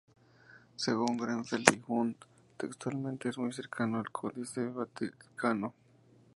Según Grenfell y Hunt textualmente es muy cercano al Códice Vaticano.